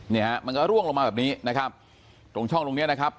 เนี่ยฮะมันก็ร่วงลงมาแบบนี้นะครับตรงช่องตรงเนี้ยนะครับ